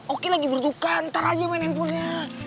oki lagi berduka ntar aja main handphonenya